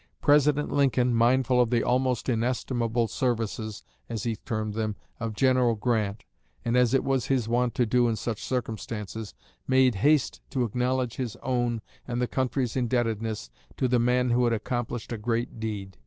President Lincoln, mindful of the "almost inestimable services," as he termed them, of General Grant, and as it was his wont to do in such circumstances, made haste to acknowledge his own and the country's indebtedness to the man who had accomplished a great deed.